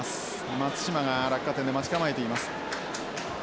松島が落下点で待ち構えています。